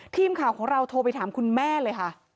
ทีมข่าวของเราโทรไปถามคุณแม่เลยค่ะ